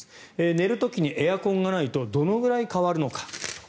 寝る時にエアコンがないとどのくらい変わるのか。